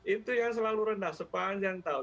itu yang selalu rendah sepanjang tahun